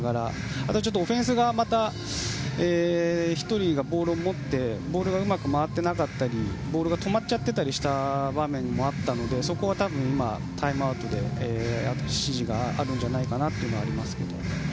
あとはオフェンスが１人がボールを持ってうまくボールが回っていなかったりボールが止まっちゃっていたりした場面もあったのでそこは多分、今タイムアウトで指示があるんじゃないかなと思います。